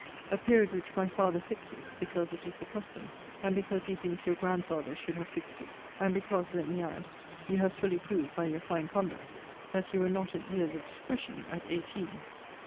A period which my father fixes, because it is the custom; and because he thinks your grandfather should have fixed it; and because, let me add, you have fully proved by your fine conduct, that you were not at years of discretion at eighteen.